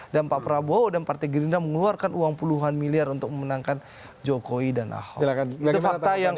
dan pak prabowo dan partai gerindra mengeluarkan uang puluhan miliar untuk memenangkan jokowi dan ahok